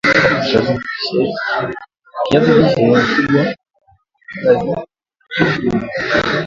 Kiazi lishe ukubwa wa viazi ni gram ishirni